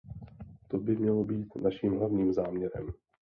To by mělo být naším hlavním záměrem.